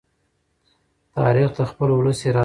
تاریخ د خپل ولس اراده ښيي.